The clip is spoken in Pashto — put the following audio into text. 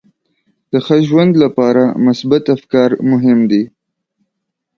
د ښه ژوند لپاره مثبت افکار مهم دي.